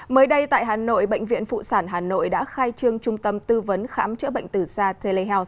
mới đây tại hà nội bệnh viện phụ sản hà nội đã khai trương trung tâm tư vấn khám chữa bệnh từ xa telehealth